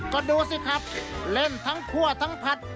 ก็ดูสิครับเล่นทั้งคั่วทั้งผัด